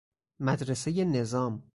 مدرسۀ نظام